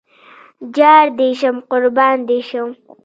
جار دې شم قربان دې شم